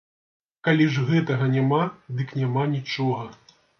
Калі ж гэтага няма, дык няма нічога.